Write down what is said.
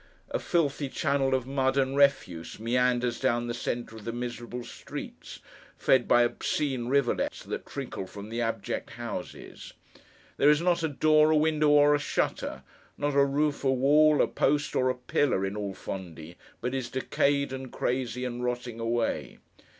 A filthy channel of mud and refuse meanders down the centre of the miserable streets, fed by obscene rivulets that trickle from the abject houses. There is not a door, a window, or a shutter; not a roof, a wall, a post, or a pillar, in all Fondi, but is decayed, and crazy, and rotting away.